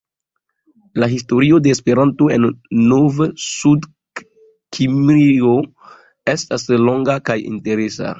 La historio de Esperanto en Novsudkimrio estas longa kaj interesa.